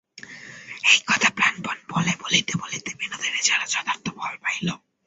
এই কথা প্রাণপণ বলে বলিতে বলিতে বিনোদিনী যেন যথার্থ বল পাইল।